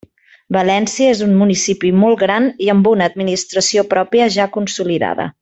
València és un municipi molt gran i amb una administració pròpia ja consolidada.